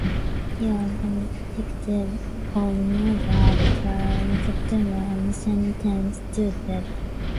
He was convicted of murder at trial in September and sentenced to death.